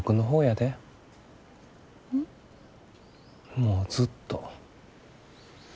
もうずっと。